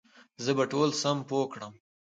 زه به ټول سم پوه کړم